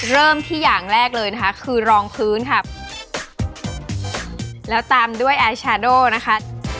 เริ่มที่อย่างแรกเลยนะคะคือรองพื้นค่ะแล้วตามด้วยแอร์ชาโดนะคะ